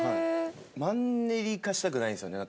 マンネリ化したくないんですよね。